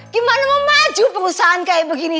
gimana mau maju perusahaan kayak begini